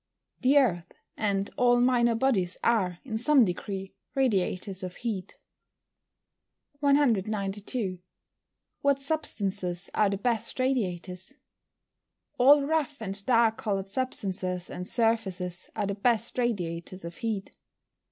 _ The earth, and all minor bodies, are, in some degree, radiators of heat. 192. What substances are the best radiators? All rough and dark coloured substances and surfaces are the best radiators of heat.